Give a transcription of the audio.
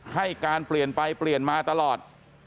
ให้การเปลี่ยนไปเปลี่ยนมาตลอด